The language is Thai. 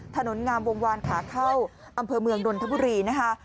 ถนนงามวงวานขาเข้าอำเภอเมืองนนทบุรีนะคะ